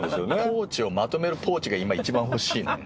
ポーチをまとめるポーチが今欲しい。